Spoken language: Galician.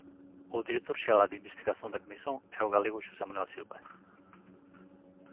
O director xeral de Investigación da Comisión é o galego Xosé Manuel Silva.